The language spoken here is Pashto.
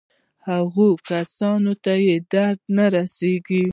هغو کسانو ته یې درد نه رسېږي.